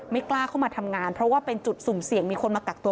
กล้าเข้ามาทำงานเพราะว่าเป็นจุดสุ่มเสี่ยงมีคนมากักตัว